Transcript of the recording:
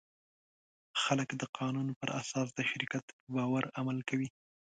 خلک د قانون پر اساس د شرکت په باور عمل کوي.